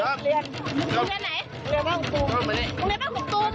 เขาเรียนบ้านขุางตรุ้ง